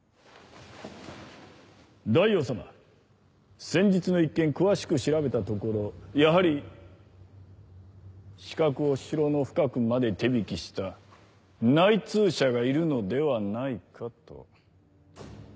大王様先日の一件詳しく調べたところやはり刺客を城の深くまで手引きした内通者がいるのではないかと。